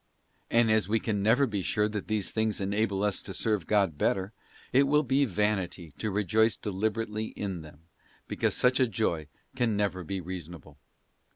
And as we can never be sure that these things enable us to serve God better, it will be vanity to rejoice deliberately in them, because such a joy can never be reasonable.